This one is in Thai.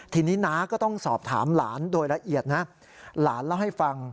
ทีนี้น้าก็ต้องสอบถามหลานโดยละเอียดนะหลานเล่าให้ฟัง